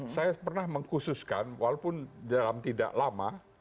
saya pernah mengkhususkan walaupun dalam tidak lama